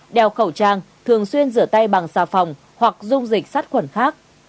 đeo khẩu trang thường xuyên rửa tay bằng xà phòng hoặc dung dịch sát khuẩn khác